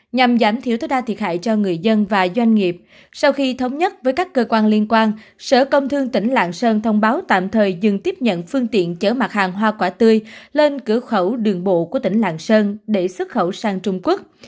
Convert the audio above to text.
nhằm giảm thiểu tối đa thiệt hại cho người dân và doanh nghiệp sau khi thống nhất với các cơ quan liên quan sở công thương tỉnh lạng sơn thông báo tạm thời dừng tiếp nhận phương tiện chở mặt hàng hoa quả tươi lên cửa khẩu đường bộ của tỉnh lạng sơn để xuất khẩu sang trung quốc